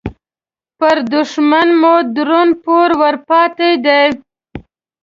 پر دوښمن مو درون پور ورپاتې دې